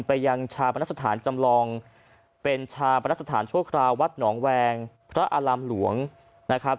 ไปยังชาปนสถานจำลองเป็นชาปนสถานชั่วคราววัดหนองแวงพระอารามหลวงนะครับ